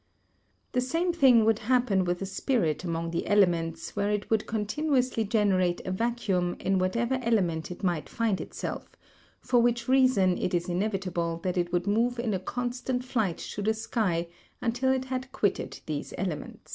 The same thing would happen with a spirit among the elements where it would continuously generate a vacuum in whatever element it might find itself, for which reason it is inevitable that it would move in a constant flight to the sky until it had quitted these elements.